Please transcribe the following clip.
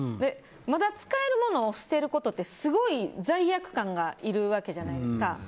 まだ使えるものを捨てることってすごい罪悪感がいるわけじゃないですか。